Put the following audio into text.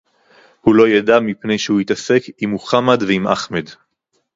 הוא לא ידע מפני שהוא התעסק עם מוחמד ועם אחמד